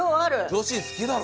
女子好きだろ。